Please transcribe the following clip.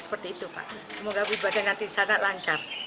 seperti itu pak semoga ibadah nanti sangat lancar